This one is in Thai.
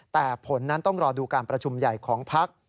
แต่ผลนั้นต้องรอดูการประชุมใหญ่ของพัก